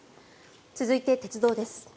続いて鉄道です。